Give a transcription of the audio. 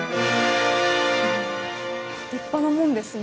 立派な門ですね。